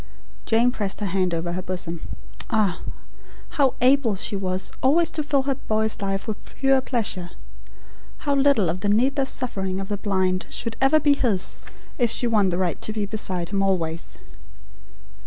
Jane pressed her hand over her bosom. Ah, how able she was always to fill her boy's life with pure pleasure. How little of the needless suffering of the blind should ever be his if she won the right to be beside him always.